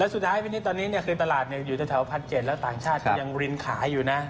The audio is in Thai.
แล้วสุดท้ายเป็นนี่ตอนนี้เนี่ยคลิปตลาดเนี่ยอยู่แต่แถว๒๐๐๗แล้วต่างชาติก็ยังรินขายอยู่นะ